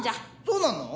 そうなの？